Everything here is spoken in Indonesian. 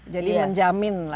jadi menjamin lah pasar